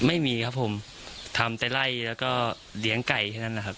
ไม่มีครับผมทำแต่ไล่แล้วก็เลี้ยงไก่แค่นั้นนะครับ